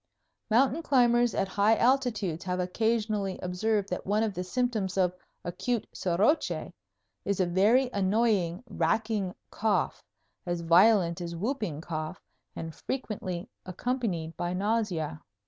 Mountain climbers at high altitudes have occasionally observed that one of the symptoms of acute soroche is a very annoying, racking cough, as violent as whooping cough and frequently accompanied by nausoa.